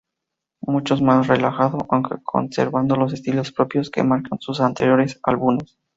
Mucho más relajado, aunque conservando los estilos propios que marcan sus anteriores álbumes.